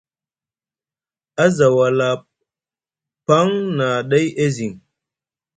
A za wala paŋ na ɗay e ziŋ.